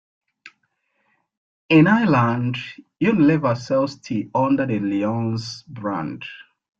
In Ireland, Unilever sells tea under the Lyons brand.